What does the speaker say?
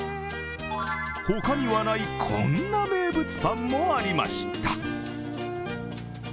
他にはない、こんな名物パンもありました。